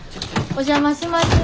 お邪魔します。